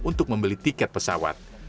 untuk membeli tiket pesawat